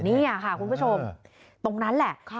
นี่ค่ะคุณผู้ชมตรงนั้นแหละ